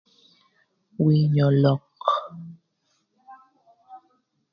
Winyo lok